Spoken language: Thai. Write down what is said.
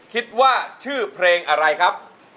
คิดว่าชื่อเพลงอะไรครับ